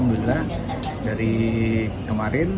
menurut saya dari kemarin